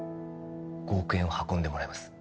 ５億円を運んでもらいます